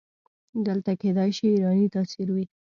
دلته کیدای شي ایرانی تاثیر وي.